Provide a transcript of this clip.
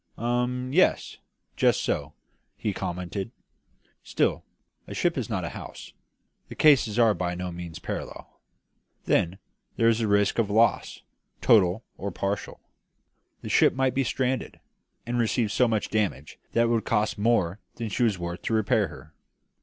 "Um yes; just so," he commented. "Still, a ship is not a house; the cases are by no means parallel. Then, there is the risk of loss, total or partial. The ship might be stranded, and receive so much damage that it would cost more than she was worth to repair her.